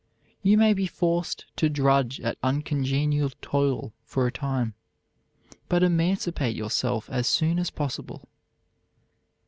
You may be forced to drudge at uncongenial toil for a time, but emancipate yourself as soon as possible.